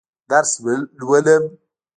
درس لولم.